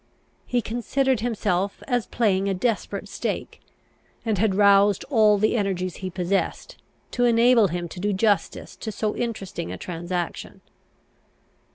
He considered himself as playing a desperate stake, and had roused all the energies he possessed, to enable him to do justice to so interesting a transaction.